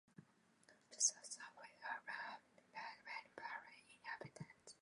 The South Sandwich Islands have never had any permanent inhabitants.